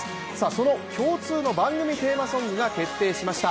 その共通の番組テーマソングが決定いたしました。